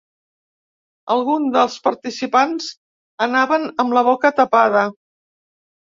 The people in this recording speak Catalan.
Alguns dels participants anaven amb la boca tapada.